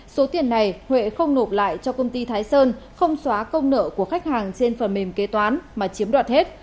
số tiền này huệ không nộp lại cho công ty thái sơn không xóa công nợ của khách hàng trên phần mềm kế toán mà chiếm đoạt hết